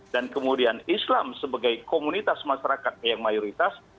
dan kemudian islam sebagai komunitas masyarakat yang mayoritas